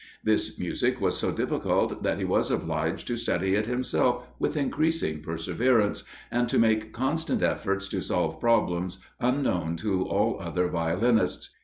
This music was so difficult that he was obliged to study it himself with increasing perseverance, and to make constant efforts to solve problems unknown to all other violinists.